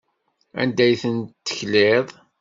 Anda ay ten-tekliḍ?